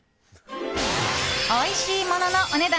おいしいもののお値段